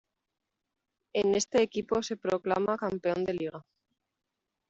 En este equipo se proclama campeón de Liga.